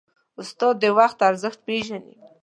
استاد د وخت ارزښت پېژني.